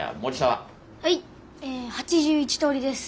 はい８１通りです。